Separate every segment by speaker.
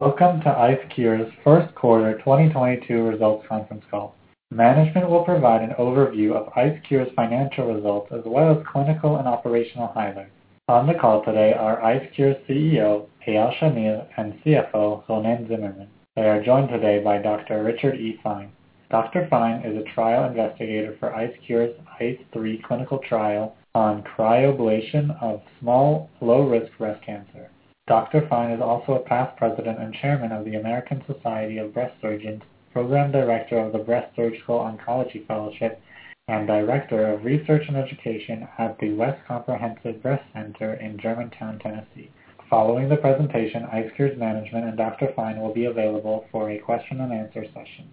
Speaker 1: Welcome to IceCure's first quarter 2022 results conference call. Management will provide an overview of IceCure's financial results as well as clinical and operational highlights. On the call today are IceCure's CEO, Eyal Shamir, and CFO, Ronen Tsimerman. They are joined today by Dr. Richard E. Fine. Dr. Fine is a trial investigator for IceCure's ICE3 clinical trial on cryoablation of small low-risk breast cancer. Dr. Fine is also a past president and chairman of the American Society of Breast Surgeons, program director of the Breast Surgical Oncology Fellowship, and director of education and research at the Margaret West Comprehensive Breast Center in Germantown, Tennessee. Following the presentation, IceCure's management and Dr. Fine will be available for a question and answer session.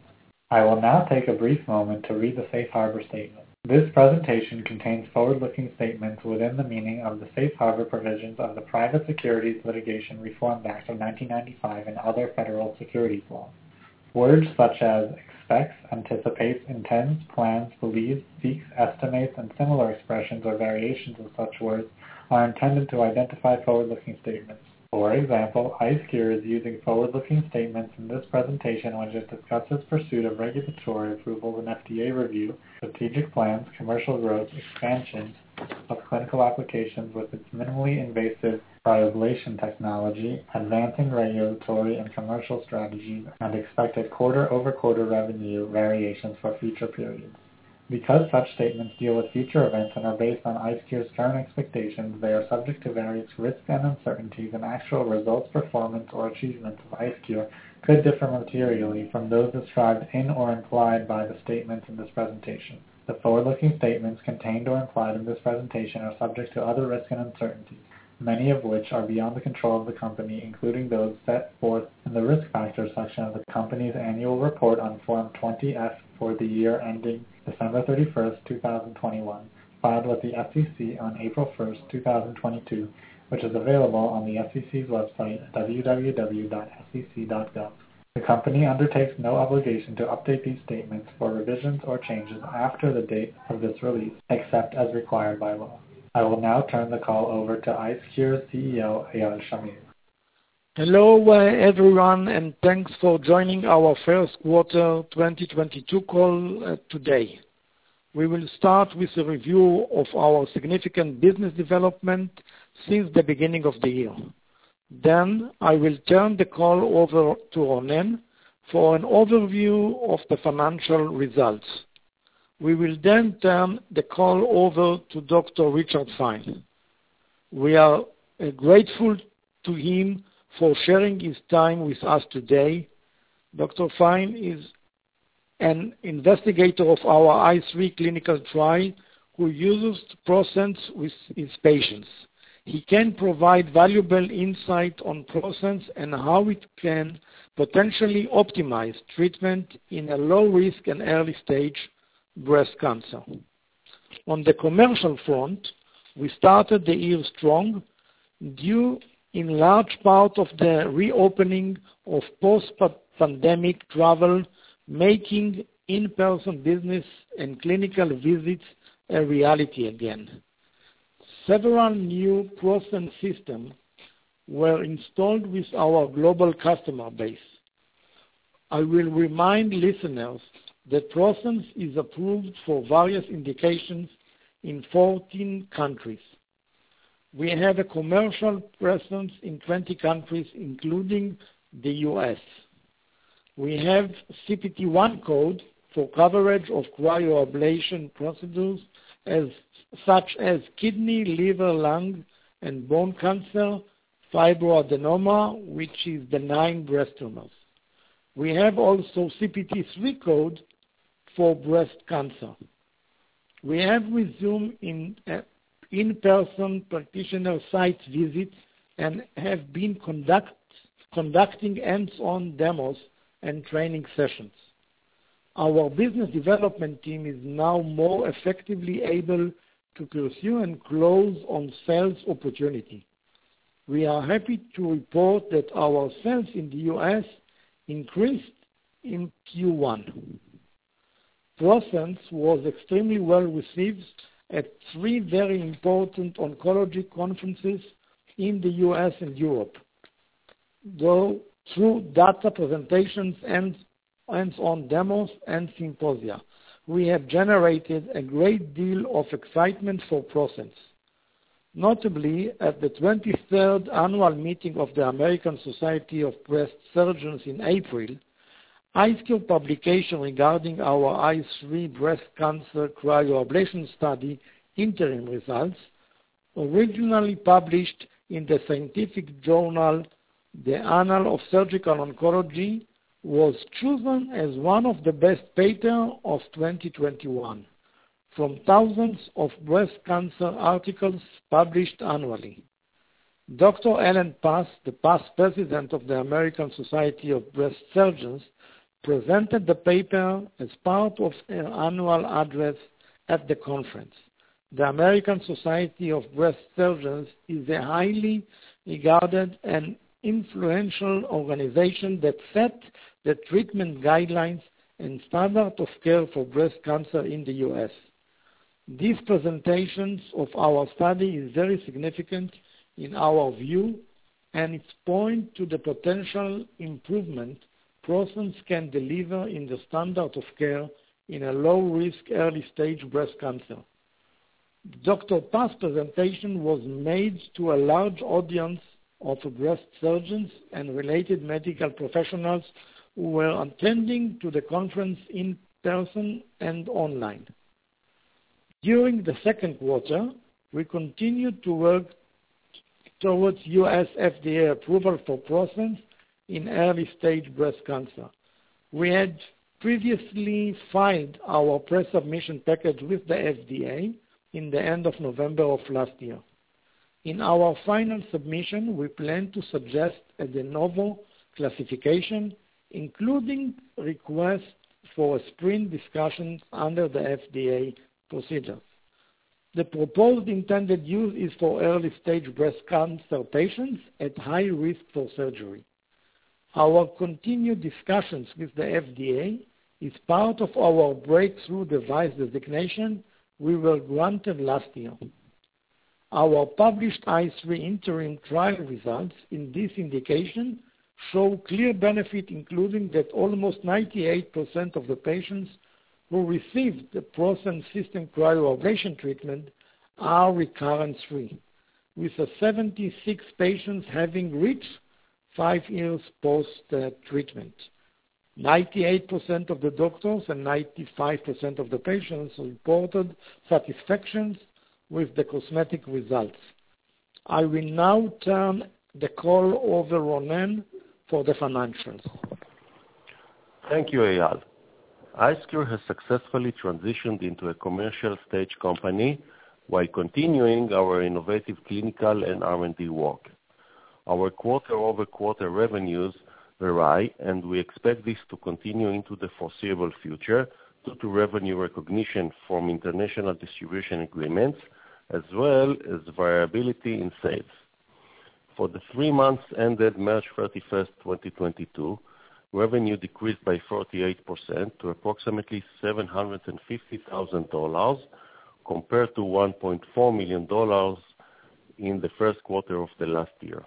Speaker 1: I will now take a brief moment to read the safe harbor statement. This presentation contains forward-looking statements within the meaning of the safe harbor provisions of the Private Securities Litigation Reform Act of 1995 and other federal securities laws. Words such as expects, anticipates, intends, plans, believes, seeks, estimates, and similar expressions or variations of such words are intended to identify forward-looking statements. For example, IceCure is using forward-looking statements in this presentation when it discusses pursuit of regulatory approval and FDA review, strategic plans, commercial growth, expansion of clinical applications with its minimally invasive cryoablation technology, advancing regulatory and commercial strategies, and expected quarter-over-quarter revenue variations for future periods. Because such statements deal with future events and are based on IceCure's current expectations, they are subject to various risks and uncertainties, and actual results, performance, or achievements of IceCure could differ materially from those described in or implied by the statements in this presentation. The forward-looking statements contained or implied in this presentation are subject to other risks and uncertainties, many of which are beyond the control of the company, including those set forth in the Risk Factors section of the company's annual report on Form 20-F for the year ending December 31, 2021, filed with the SEC on April 1, 2022, which is available on the SEC's website, www.sec.gov. The company undertakes no obligation to update these statements for revisions or changes after the date of this release, except as required by law. I will now turn the call over to IceCure CEO, Eyal Shamir.
Speaker 2: Hello, everyone, and thanks for joining our first quarter 2022 call today. We will start with a review of our significant business development since the beginning of the year. I will turn the call over to Ronen for an overview of the financial results. We will then turn the call over to Dr. Richard Fine. We are grateful to him for sharing his time with us today. Dr. Fine is an investigator of our ICE3 clinical trial who uses ProSense with his patients. He can provide valuable insight on ProSense and how it can potentially optimize treatment in a low risk and early stage breast cancer. On the commercial front, we started the year strong due in large part to the reopening of post-pandemic travel, making in-person business and clinical visits a reality again. Several new ProSense systems were installed with our global customer base. I will remind listeners that ProSense is approved for various indications in 14 countries. We have a commercial presence in 20 countries, including the U.S. We have CPT I code for coverage of cryoablation procedures such as kidney, liver, lung, and bone cancer, fibroadenoma, which is benign breast tumors. We have also CPT III code for breast cancer. We have resumed in-person practitioner site visits and have been conducting hands-on demos and training sessions. Our business development team is now more effectively able to pursue and close on sales opportunity. We are happy to report that our sales in the U.S. increased in Q1. ProSense was extremely well received at three very important oncology conferences in the U.S. and Europe. Through data presentations and hands-on demos and symposia, we have generated a great deal of excitement for ProSense. Notably, at the 23rd annual meeting of the American Society of Breast Surgeons in April, IceCure publication regarding our ICE3 breast cancer cryoablation study interim results, originally published in the scientific journal Annals of Surgical Oncology, was chosen as one of the best paper of 2021 from thousands of breast cancer articles published annually. Dr. Helen Pass, the past president of the American Society of Breast Surgeons, presented the paper as part of her annual address at the conference. The American Society of Breast Surgeons is a highly regarded and influential organization that sets the treatment guidelines and standard of care for breast cancer in the U.S. These presentations of our study is very significant in our view, and it point to the potential improvement ProSense can deliver in the standard of care in a low risk early stage breast cancer. Dr. Pass presentation was made to a large audience of breast surgeons and related medical professionals who were attending to the conference in person and online. During the second quarter, we continued to work towards U.S. FDA approval for ProSense in early stage breast cancer. We had previously filed our pre-submission package with the FDA in the end of November of last year. In our final submission, we plan to suggest a De Novo classification, including requests for a sprint discussion under the FDA procedures. The proposed intended use is for early stage breast cancer patients at high risk for surgery. Our continued discussions with the FDA is part of our Breakthrough Device Designation we were granted last year. Our published ICE3 interim trial results in this indication show clear benefit, including that almost 98% of the patients who received the ProSense system cryoablation treatment are recurrence free, with 76 patients having reached five years post treatment. 98% of the doctors and 95% of the patients reported satisfaction with the cosmetic results. I will now turn the call over Ronen for the financials.
Speaker 3: Thank you, Eyal. IceCure has successfully transitioned into a commercial stage company while continuing our innovative clinical and R&D work. Our quarter-over-quarter revenues vary, and we expect this to continue into the foreseeable future due to revenue recognition from international distribution agreements, as well as variability in sales. For the three months ended March 31, 2022, revenue decreased by 48% to approximately $750,000, compared to $1.4 million in the first quarter of the last year.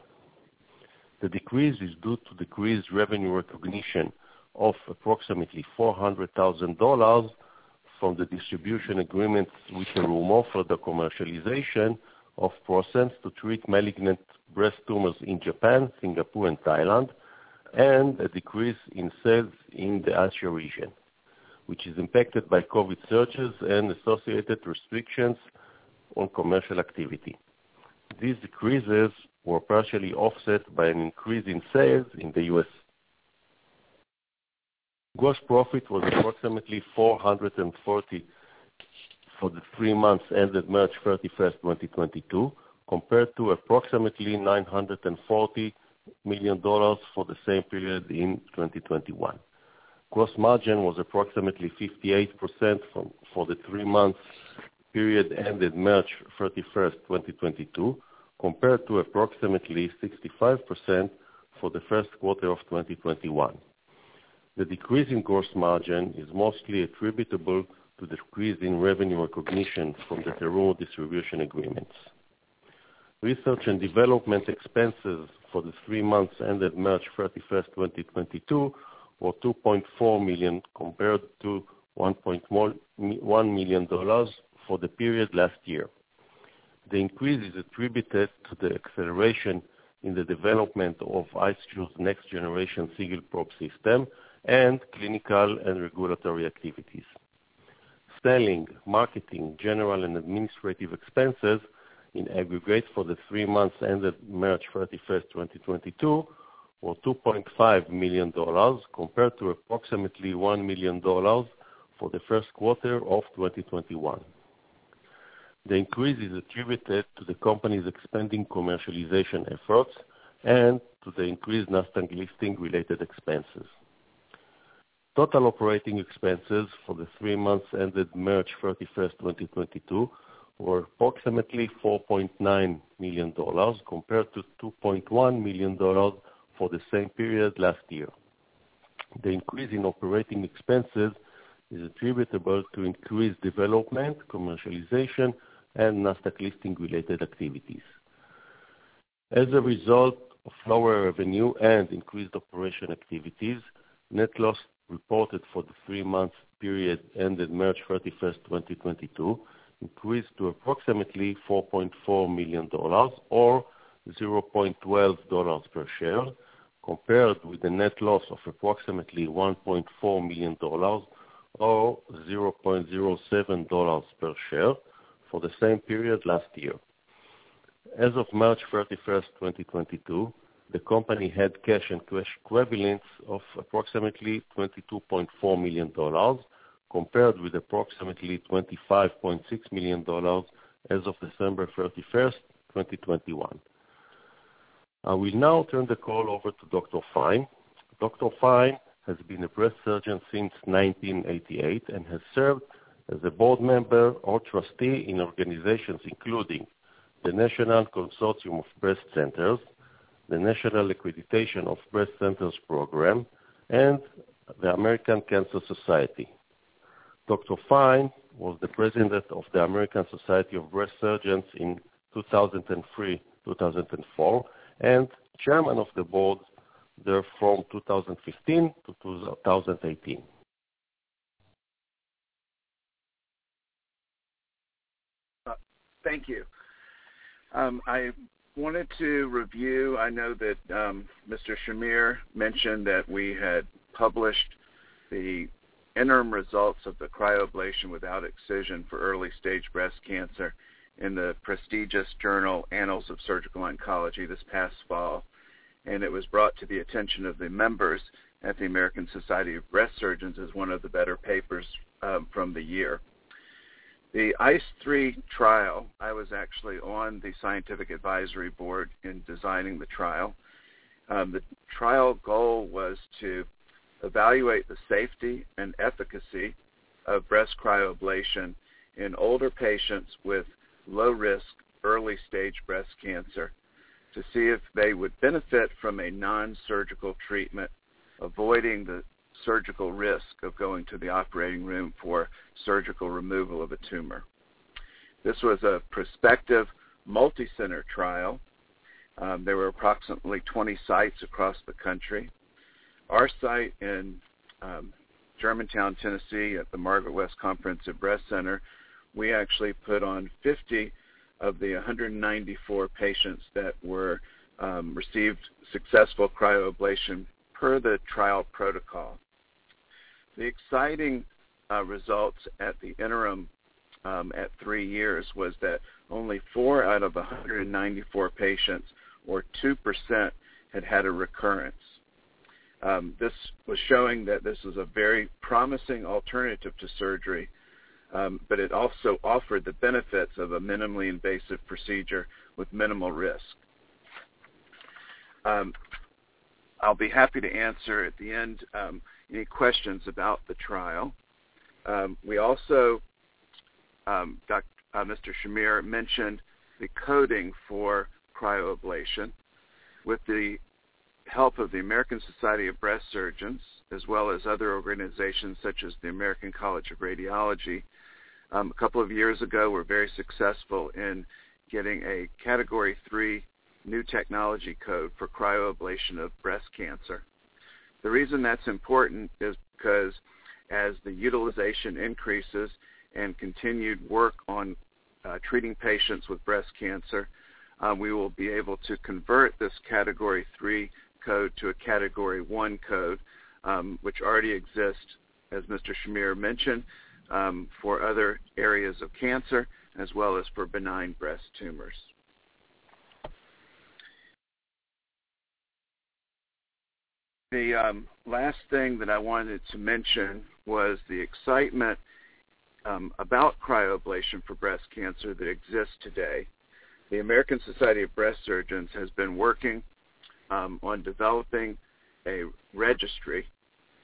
Speaker 3: The decrease is due to decreased revenue recognition of approximately $400,000 from the distribution agreements with Terumo for the commercialization of ProSense to treat malignant breast tumors in Japan, Singapore and Thailand, and a decrease in sales in the Asia region, which is impacted by COVID surges and associated restrictions on commercial activity. These decreases were partially offset by an increase in sales in the U.S. Gross profit was approximately $440 million for the three months ended March 31, 2022, compared to approximately $940 million for the same period in 2021. Gross margin was approximately 58% for the three months period ended March 31, 2022, compared to approximately 65% for the first quarter of 2021. The decrease in gross margin is mostly attributable to a decrease in revenue recognition from the Terumo distribution agreements. Research and development expenses for the three months ended March 31, 2022, were $2.4 million, compared to $1 million for the period last year. The increase is attributed to the acceleration in the development of IceCure's next generation single-probe system and clinical and regulatory activities. Selling, marketing, general and administrative expenses in aggregate for the three months ended March 31, 2022, were $2.5 million, compared to approximately $1 million for the first quarter of 2021. The increase is attributed to the company's expanding commercialization efforts and to the increased Nasdaq listing related expenses. Total operating expenses for the three months ended March 31, 2022, were approximately $4.9 million compared to $2.1 million for the same period last year. The increase in operating expenses is attributable to increased development, commercialization and Nasdaq listing related activities. As a result of lower revenue and increased operating activities, net loss reported for the three-month period ended March 31, 2022, increased to approximately $4.4 million or $0.12 per share, compared with a net loss of approximately $1.4 million or $0.07 per share for the same period last year. As of March 31, 2022, the company had cash and cash equivalents of approximately $22.4 million, compared with approximately $25.6 million as of December 31, 2021. I will now turn the call over to Dr. Fine. Dr. Fine has been a breast surgeon since 1988 and has served as a board member or trustee in organizations including the National Consortium of Breast Centers, the National Accreditation Program for Breast Centers and the American Cancer Society. Dr. Fine was the president of the American Society of Breast Surgeons in 2003, 2004, and chairman of the board there from 2015-2018.
Speaker 4: Thank you. I wanted to review, I know that, Mr. Shamir mentioned that we had published the interim results of the cryoablation without excision for early-stage breast cancer in the prestigious journal, Annals of Surgical Oncology this past fall. It was brought to the attention of the members at the American Society of Breast Surgeons as one of the better papers from the year. The ICE3 trial, I was actually on the scientific advisory board in designing the trial. The trial goal was to evaluate the safety and efficacy of breast cryoablation in older patients with low-risk, early-stage breast cancer to see if they would benefit from a nonsurgical treatment, avoiding the surgical risk of going to the operating room for surgical removal of a tumor. This was a prospective multi-center trial. There were approximately 20 sites across the country. Our site in Germantown, Tennessee, at the Margaret West Comprehensive Breast Center, we actually put on 50 of the 194 patients that were received successful cryoablation per the trial protocol. The exciting results at the interim at three years was that only four out of the 194 patients, or 2%, had had a recurrence. This was showing that this was a very promising alternative to surgery, but it also offered the benefits of a minimally invasive procedure with minimal risk. I'll be happy to answer at the end any questions about the trial. We also Mr. Shamir mentioned the coding for cryoablation. With the help of The American Society of Breast Surgeons, as well as other organizations such as the American College of Radiology, a couple of years ago, we were very successful in getting a category three new technology code for cryoablation of breast cancer. The reason that's important is because as the utilization increases and continued work on treating patients with breast cancer, we will be able to convert this category three code to a category one code, which already exists, as Mr. Shamir mentioned, for other areas of cancer as well as for benign breast tumors. The last thing that I wanted to mention was the excitement about cryoablation for breast cancer that exists today. The American Society of Breast Surgeons has been working on developing a registry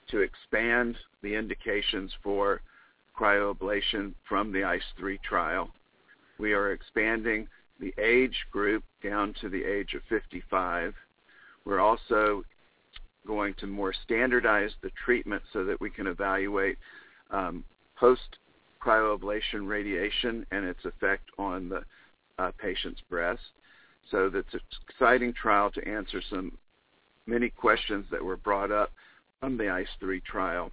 Speaker 4: to expand the indications for cryoablation from the ICE3 trial. We are expanding the age group down to the age of 55. We're also going to more standardize the treatment so that we can evaluate post cryoablation radiation and its effect on the patient's breast. That's an exciting trial to answer many questions that were brought up on the ICE3 trial.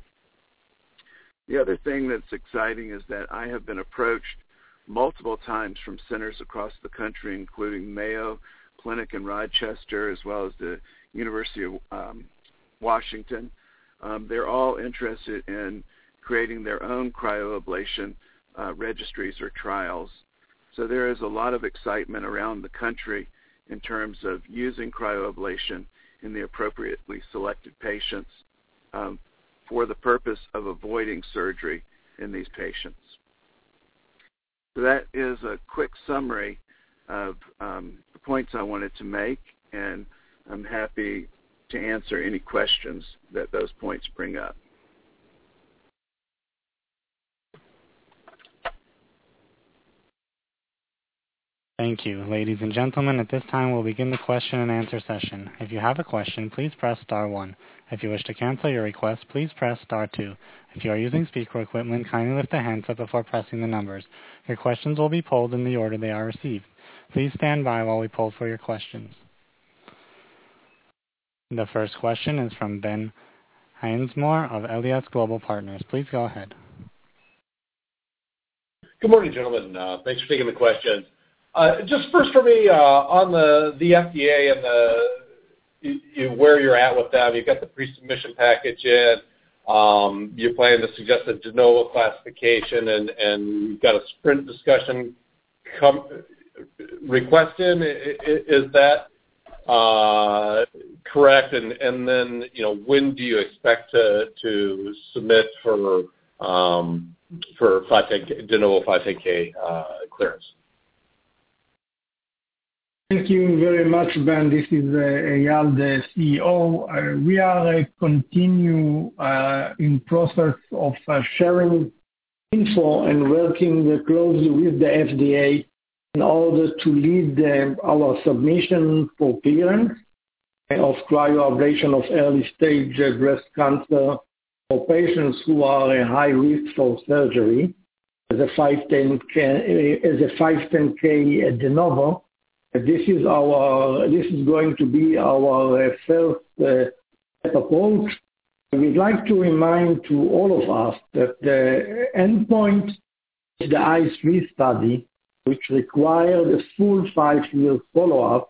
Speaker 4: The other thing that's exciting is that I have been approached multiple times from centers across the country, including Mayo Clinic in Rochester, as well as the University of Washington. They're all interested in creating their own cryoablation registries or trials. There is a lot of excitement around the country in terms of using cryoablation in the appropriately selected patients for the purpose of avoiding surgery in these patients. That is a quick summary of the points I wanted to make, and I'm happy to answer any questions that those points bring up.
Speaker 1: Thank you. Ladies and gentlemen, at this time, we'll begin the question and answer session. If you have a question, please press star one. If you wish to cancel your request, please press star two. If you are using speaker equipment, kindly lift the handset before pressing the numbers. Your questions will be pulled in the order they are received. Please stand by while we pull for your questions. The first question is from Ben Haynor of Alliance Global Partners. Please go ahead.
Speaker 5: Good morning, gentlemen. Thanks for taking the question. Just first for me, on the FDA and where you're at with them. You've got the pre-submission package in. You're planning to suggest a De Novo classification and you've got a sprint discussion request in. Is that correct? You know, when do you expect to submit for De Novo 510 clearance?
Speaker 2: Thank you very much, Ben. This is Eyal, the CEO. We are continuing in process of sharing. We're working closely with the FDA in order to lead our submission for clearance of cryoablation of early-stage breast cancer for patients who are at high risk for surgery as a 510(k) De Novo. This is going to be our first approach. We'd like to remind all of us that the endpoint in the ICE3 study, which required a full five-year follow-up,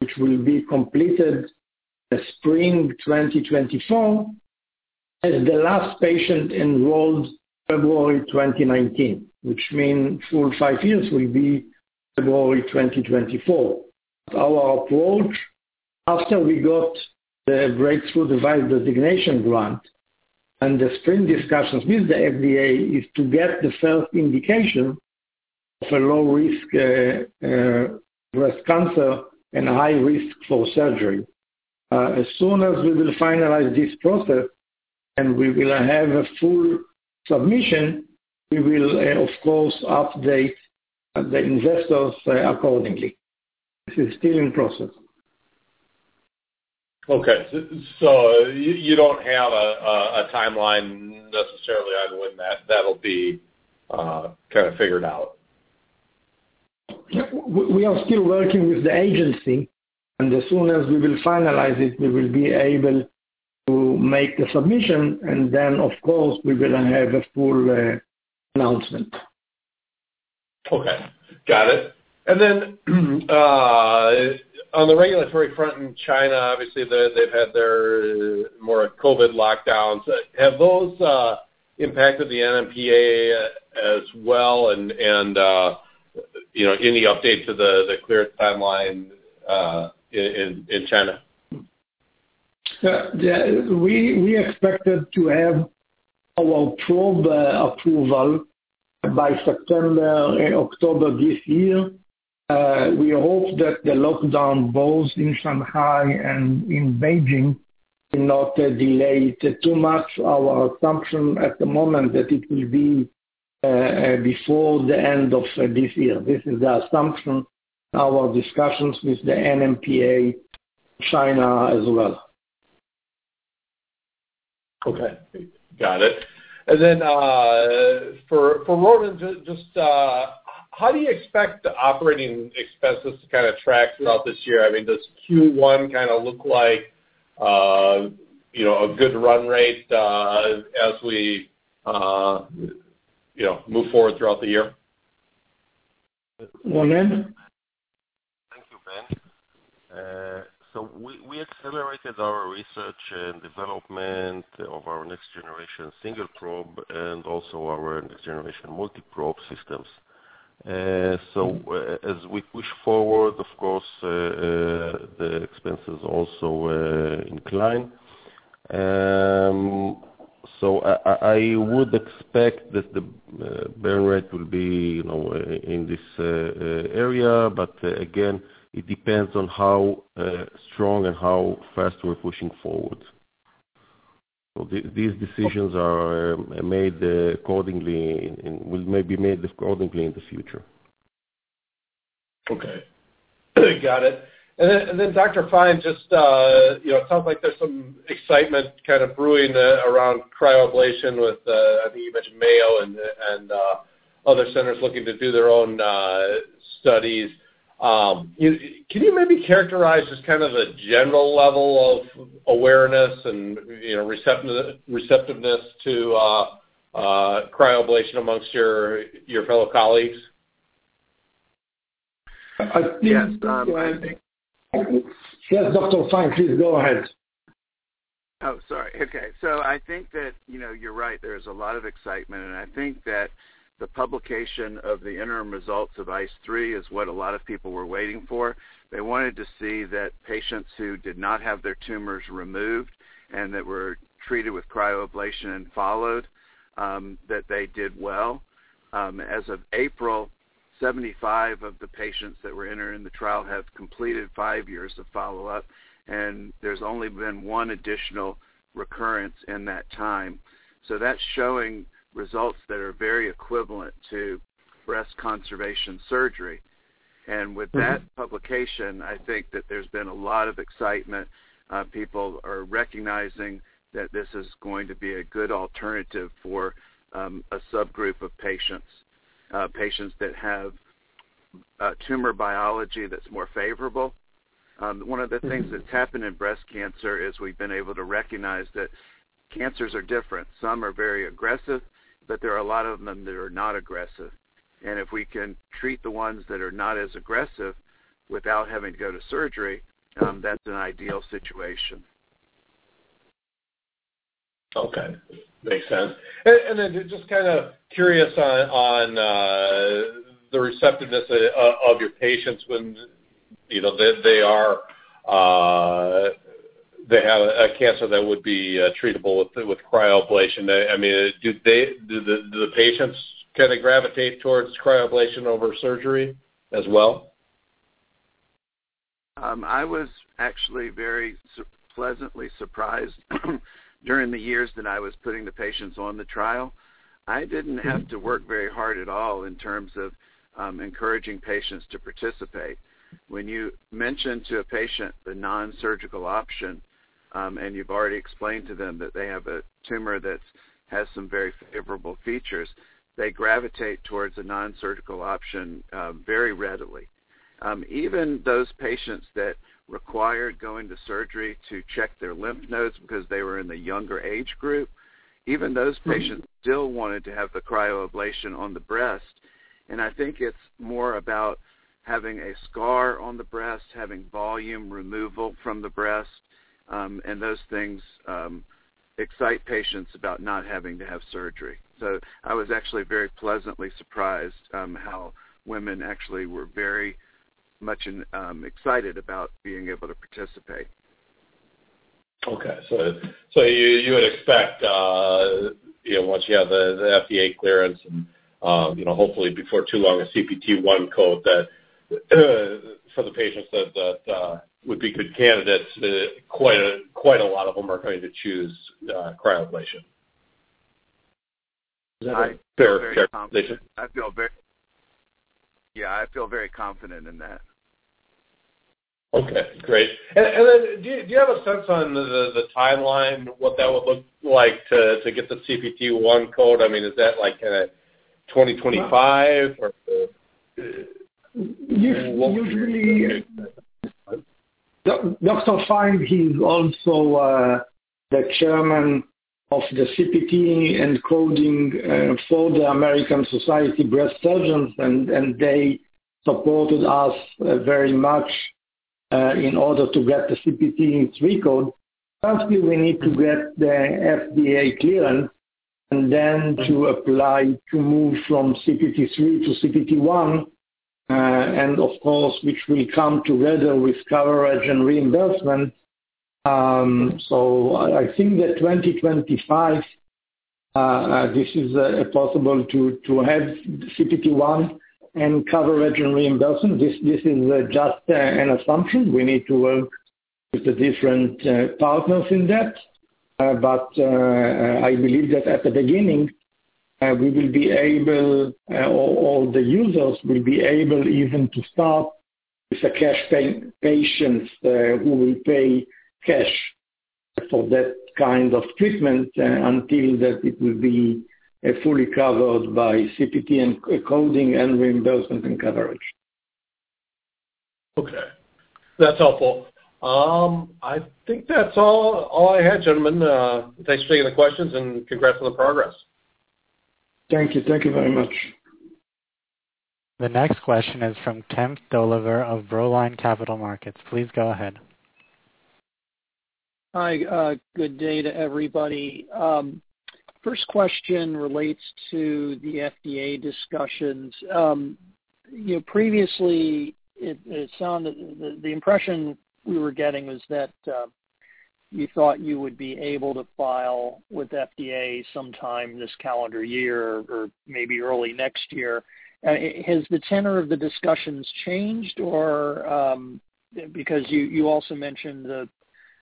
Speaker 2: which will be completed in the spring 2024, as the last patient enrolled February 2019. Which means full five years will be February 2024. Our approach after we got the Breakthrough Device Designation granted and the sprint discussions with the FDA is to get the first indication of a low-risk breast cancer and high risk for surgery. As soon as we will finalize this process and we will have a full submission, we will, of course, update the investors, accordingly. This is still in process.
Speaker 5: Okay. You don't have a timeline necessarily either way, and that'll be kind of figured out.
Speaker 2: Yeah. We are still working with the agency, and as soon as we will finalize it, we will be able to make the submission. Of course, we will have a full announcement.
Speaker 5: Okay. Got it. On the regulatory front in China, obviously they've had their more COVID lockdowns. Have those impacted the NMPA as well? And you know, any update to the clearance timeline in China?
Speaker 2: Yeah. We expected to have our probe approval by September, October this year. We hope that the lockdown both in Shanghai and in Beijing will not delay too much our assumption at the moment that it will be before the end of this year. This is the assumption, our discussions with the NMPA China as well.
Speaker 5: Okay. Got it. For Ronen, just how do you expect the operating expenses to kind of track throughout this year? I mean, does Q1 kind of look like, you know, a good run rate as we, you know, move forward throughout the year?
Speaker 2: Ronen?
Speaker 3: Thank you, Ben. We accelerated our research and development of our next generation single-probe and also our next generation multi-probe systems. As we push forward, of course, the expenses also increase. I would expect that the burn rate will be, you know, in this area. Again, it depends on how strong and how fast we're pushing forward. These decisions are made accordingly and may be made accordingly in the future.
Speaker 5: Okay. Got it. Dr. Fine, just, you know, it sounds like there's some excitement kind of brewing around cryoablation with, I think you mentioned Mayo and other centers looking to do their own studies. Can you maybe characterize just kind of the general level of awareness and, you know, receptiveness to cryoablation amongst your fellow colleagues?
Speaker 2: I think-
Speaker 4: Yes.
Speaker 2: Yes, Dr. Fine, please go ahead.
Speaker 4: Oh, sorry. Okay. I think that, you know, you're right. There's a lot of excitement, and I think that the publication of the interim results of ICE3 is what a lot of people were waiting for. They wanted to see that patients who did not have their tumors removed and that were treated with cryoablation and followed, that they did well. As of April, 75 of the patients that were entered in the trial have completed five years of follow-up, and there's only been one additional recurrence in that time. That's showing results that are very equivalent to breast-conserving surgery. With that publication, I think that there's been a lot of excitement. People are recognizing that this is going to be a good alternative for a subgroup of patients. Patients that have tumor biology that's more favorable. One of the things that's happened in breast cancer is we've been able to recognize that cancers are different. Some are very aggressive, but there are a lot of them that are not aggressive. If we can treat the ones that are not as aggressive without having to go to surgery, that's an ideal situation.
Speaker 5: Okay. Makes sense. Then just kind of curious on the receptiveness of your patients when, you know, they have a cancer that would be treatable with cryoablation. I mean, do the patients kind of gravitate towards cryoablation over surgery as well?
Speaker 4: I was actually pleasantly surprised during the years that I was putting the patients on the trial. I didn't have to work very hard at all in terms of, encouraging patients to participate. When you mention to a patient the nonsurgical option, and you've already explained to them that they have a tumor that has some very favorable features, they gravitate towards a nonsurgical option, very readily. Even those patients that required going to surgery to check their lymph nodes because they were in the younger age group, even those patients still wanted to have the cryoablation on the breast. I think it's more about having a scar on the breast, having volume removal from the breast, and those things excite patients about not having to have surgery. I was actually very pleasantly surprised how women actually were very much excited about being able to participate.
Speaker 5: Okay. You would expect, you know, once you have the FDA clearance and, you know, hopefully before too long a CPT I code that, for the patients that would be good candidates, quite a lot of them are going to choose cryoablation. Is that a fair characterization?
Speaker 4: I feel very confident. Yeah, I feel very confident in that.
Speaker 5: Okay, great. Then do you have a sense on the timeline, what that would look like to get the CPT I code? I mean, is that like in a 2025 or
Speaker 2: Usually, Dr. Fine, he's also the chairman of the CPT and coding for the American Society of Breast Surgeons and they supported us very much in order to get the CPT three code. Firstly, we need to get the FDA clearance and then to apply to move from CPT III to CPT I, and of course, which will come together with coverage and reimbursement. I think that 2025 this is possible to have CPT one and coverage and reimbursement. This is just an assumption. We need to work with the different partners in that. I believe that at the beginning, we will be able, or the users will be able even to start with cash-pay patients, who will pay cash for that kind of treatment until that it will be fully covered by CPT and coding and reimbursement and coverage.
Speaker 5: Okay. That's helpful. I think that's all I had, gentlemen. Thanks for taking the questions and congrats on the progress.
Speaker 2: Thank you. Thank you very much.
Speaker 1: The next question is from Kemp Dolliver of Brookline Capital Markets. Please go ahead.
Speaker 6: Hi. Good day to everybody. First question relates to the FDA discussions. You know, previously it sounded, the impression we were getting was that you thought you would be able to file with FDA sometime this calendar year or maybe early next year. Has the tenor of the discussions changed or, because you also mentioned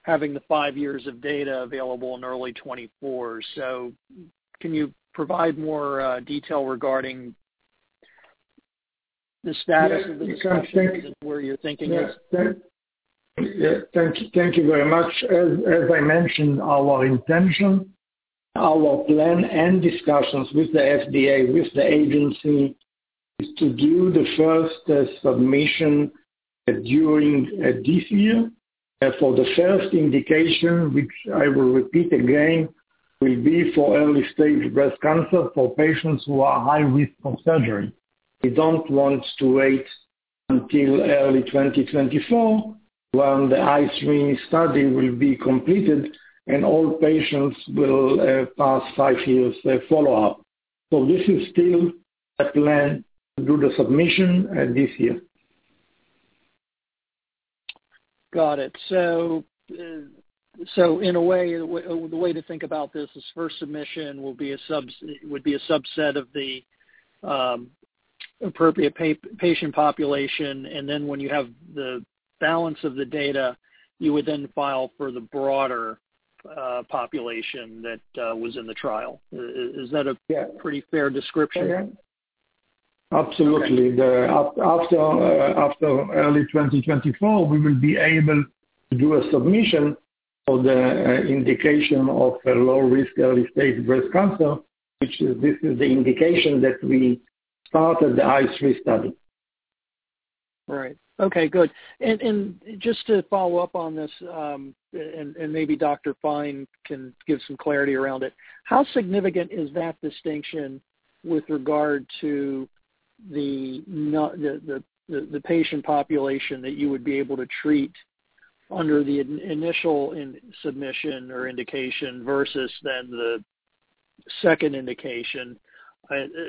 Speaker 6: having the five years of data available in early 2024. Can you provide more detail regarding the status of the discussions and where you're thinking of?
Speaker 2: Yeah. Thank you very much. As I mentioned, our intention, our plan and discussions with the FDA, with the agency is to do the first submission during this year. For the first indication, which I will repeat again, will be for early-stage breast cancer for patients who are high risk for surgery. We don't want to wait until early 2024 when the ICE3 study will be completed, and all patients will pass five years follow-up. This is still a plan to do the submission this year.
Speaker 6: Got it. In a way, the way to think about this first submission would be a subset of the appropriate patient population, and then when you have the balance of the data, you would then file for the broader population that was in the trial. Is that a?
Speaker 2: Yeah.
Speaker 6: Pretty fair description?
Speaker 2: Yeah. Absolutely.
Speaker 6: Okay.
Speaker 2: After early 2024, we will be able to do a submission for the indication of a low risk early stage breast cancer, which is the indication that we started the ICE3 study.
Speaker 6: Right. Okay, good. Just to follow up on this, and maybe Dr. Fine can give some clarity around it. How significant is that distinction with regard to the patient population that you would be able to treat under the initial submission or indication versus then the second indication?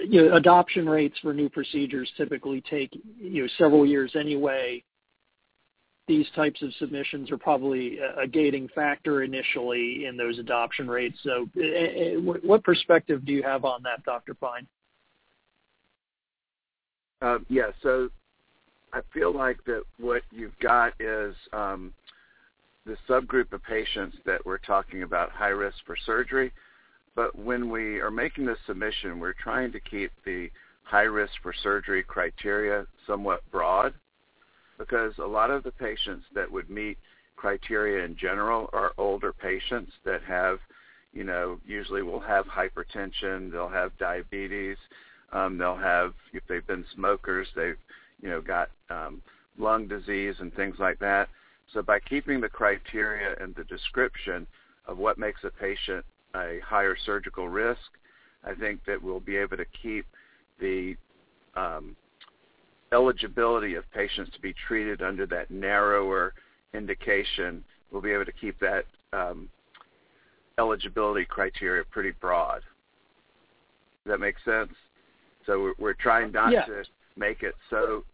Speaker 6: You know, adoption rates for new procedures typically take, you know, several years anyway. These types of submissions are probably a gating factor initially in those adoption rates. What perspective do you have on that, Dr. Fine?
Speaker 4: Yeah. I feel like that what you've got is the subgroup of patients that we're talking about high risk for surgery. When we are making the submission, we're trying to keep the high risk for surgery criteria somewhat broad because a lot of the patients that would meet criteria in general are older patients that have, you know, usually will have hypertension, they'll have diabetes, they'll have if they've been smokers, you know, got lung disease and things like that. By keeping the criteria and the description of what makes a patient a higher surgical risk, I think that we'll be able to keep the eligibility of patients to be treated under that narrower indication. We'll be able to keep that eligibility criteria pretty broad. Does that make sense? We're trying not to.
Speaker 6: Yeah.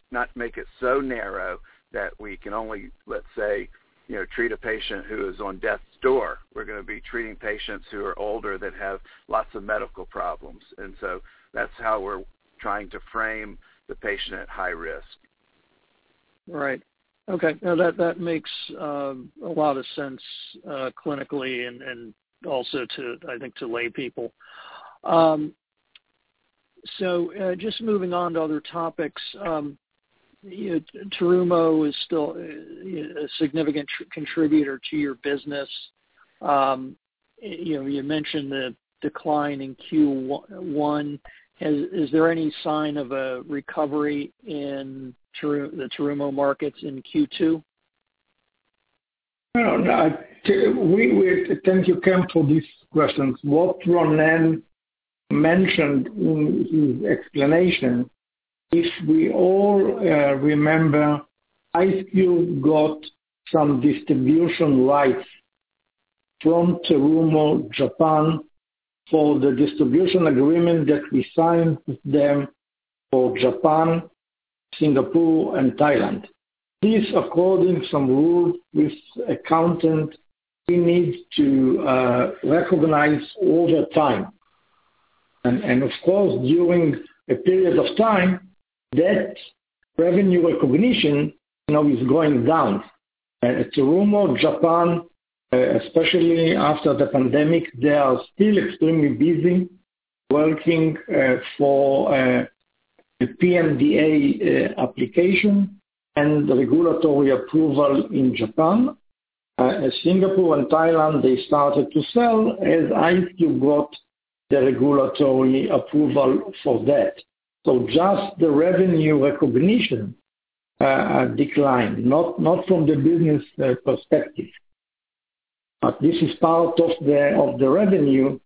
Speaker 4: Not make it so narrow that we can only, let's say, you know, treat a patient who is on death's door. We're gonna be treating patients who are older that have lots of medical problems, and so that's how we're trying to frame the patient at high risk.
Speaker 6: Right. Okay. No, that makes a lot of sense, clinically and also to, I think, to laypeople. Just moving on to other topics. You know, Terumo is still a significant contributor to your business. You know, you mentioned the decline in Q1. Is there any sign of a recovery in the Terumo markets in Q2?
Speaker 2: No, no. Thank you, Kemp, for these questions. What Ronen mentioned in his explanation, if we all remember, IceCure got some distribution rights from Terumo, Japan, for the distribution agreement that we signed with them for Japan, Singapore, and Thailand. This, according to some rule with accountant, we need to recognize all the time. And of course, during a period of time, that revenue recognition, you know, is going down. At Terumo, Japan, especially after the pandemic, they are still extremely busy working for the PMDA application and the regulatory approval in Japan. Singapore and Thailand, they started to sell as IceCure got the regulatory approval for that. Just the revenue recognition declined, not from the business perspective. This is part of the, of the revenue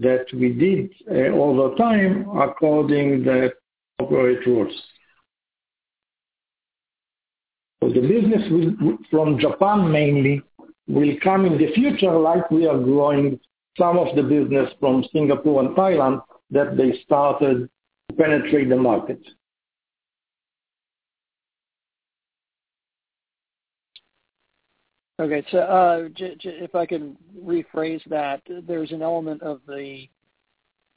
Speaker 2: that we did over time according to the operating rules. The business from Japan mainly will come in the future like we are growing some of the business from Singapore and Thailand that they started to penetrate the market.
Speaker 6: Okay. If I can rephrase that, there's an element of the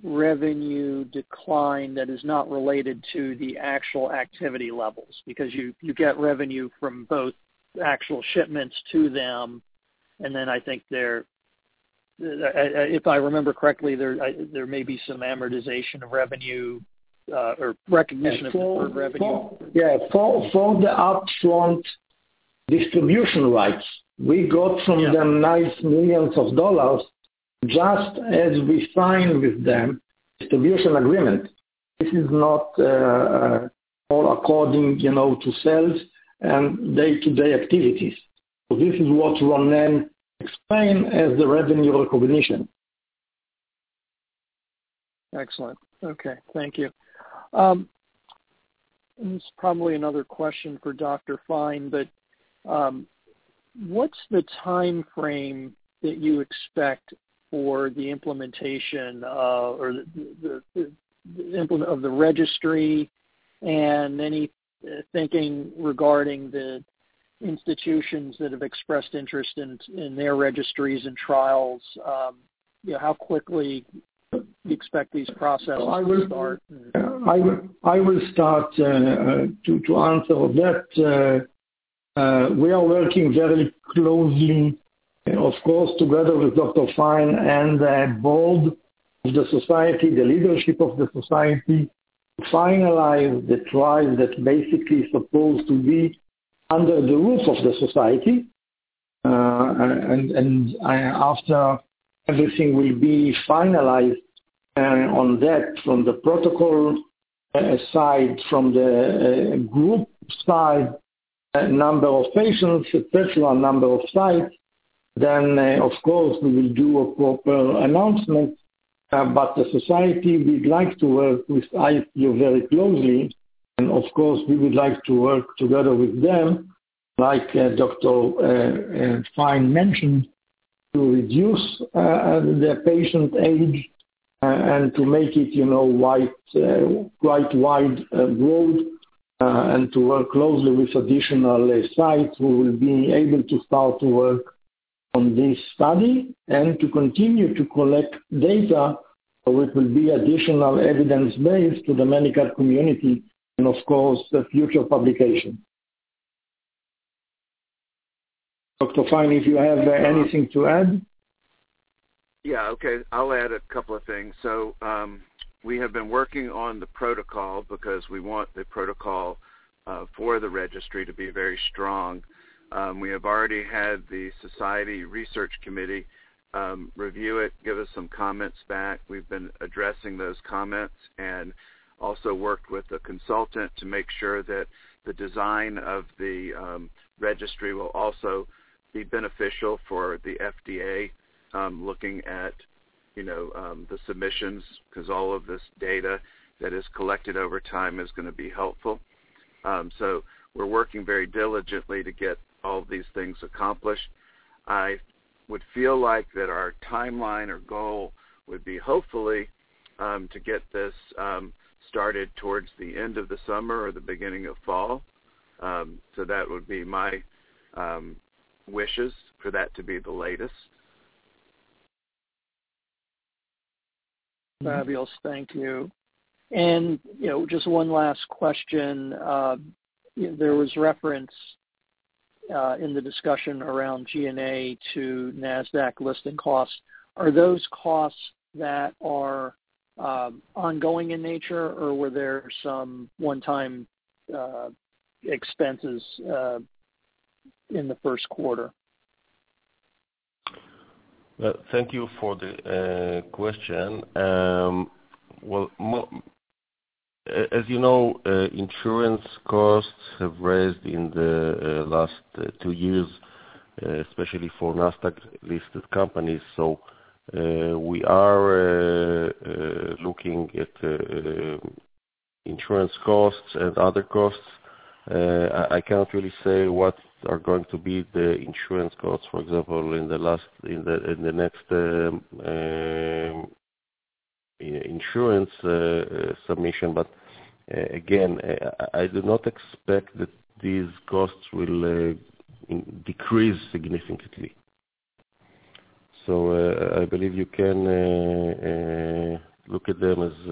Speaker 6: revenue decline that is not related to the actual activity levels because you get revenue from both actual shipments to them, and then I think, if I remember correctly, there may be some amortization of revenue, or recognition of deferred revenue.
Speaker 2: Yeah. For the upfront distribution rights, we got from them $9 million just as we signed with them distribution agreement. This is not all according, you know, to sales and day-to-day activities. This is what Ronen explained as the revenue recognition.
Speaker 6: Excellent. Okay. Thank you. This is probably another question for Dr. Fine, but what's the timeframe that you expect for the implementation of the registry and any thinking regarding the institutions that have expressed interest in their registries and trials? You know, how quickly you expect these processes to start?
Speaker 2: I will start to answer that. We are working very closely and of course, together with Dr. Fine and the board of the society, the leadership of the society, to finalize the trial that basically supposed to be under the rules of the society. After everything will be finalized on that from the protocol side, from the group side, number of patients, especially on number of sites, then of course, we will do a proper announcement. The society, we'd like to work with IceCure very closely and of course, we would like to work together with them, like, Dr. Fine mentioned, to reduce the patient age, and to make it, you know, wide, quite wide, road, and to work closely with additional sites. We will be able to start to work. On this study and to continue to collect data, which will be additional evidence-based to the medical community and of course, the future publication. Dr. Fine, if you have anything to add.
Speaker 4: Yeah. Okay. I'll add a couple of things. We have been working on the protocol because we want the protocol for the registry to be very strong. We have already had the Society Research Committee review it, give us some comments back. We've been addressing those comments and also worked with a consultant to make sure that the design of the registry will also be beneficial for the FDA looking at, you know, the submissions, 'cause all of this data that is collected over time is gonna be helpful. We're working very diligently to get all of these things accomplished. I would feel like that our timeline or goal would be hopefully to get this started towards the end of the summer or the beginning of fall. That would be my wishes for that to be the latest.
Speaker 6: Fabulous. Thank you. You know, just one last question. There was reference in the discussion around G&A to Nasdaq listing costs. Are those costs that are ongoing in nature, or were there some one-time expenses in the first quarter?
Speaker 3: Thank you for the question. Well, as you know, insurance costs have risen in the last two years, especially for Nasdaq-listed companies. We are looking at insurance costs and other costs. I can't really say what are going to be the insurance costs, for example, in the next insurance submission. But again, I do not expect that these costs will decrease significantly. I believe you can look at them as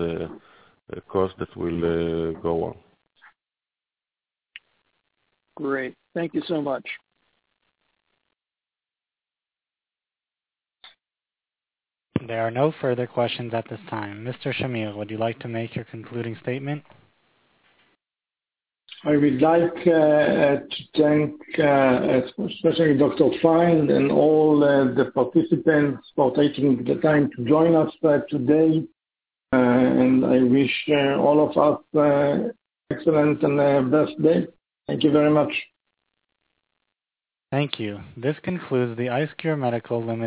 Speaker 3: a cost that will go on.
Speaker 6: Great. Thank you so much.
Speaker 1: There are no further questions at this time. Mr. Shamir, would you like to make your concluding statement?
Speaker 2: I would like to thank especially Dr. Fine and all the participants for taking the time to join us today. I wish all of us excellent and best day. Thank you very much.
Speaker 1: Thank you. This concludes the IceCure Medical Limited.